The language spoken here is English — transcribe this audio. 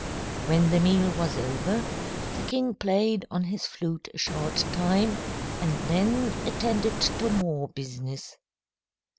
"When the meal was over, the king played on his flute a short time, and then attended to more business."